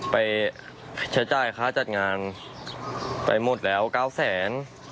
ไปใช้จ่ายค่าจัดงานไปหมดแล้ว๙แสน